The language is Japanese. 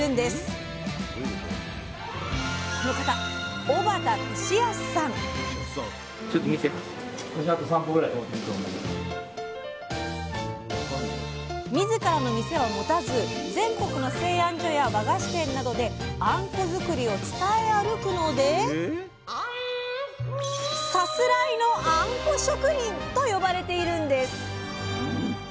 この方自らの店は持たず全国の製あん所や和菓子店などであんこづくりを伝え歩くので「さすらいのあんこ職人」と呼ばれているんです！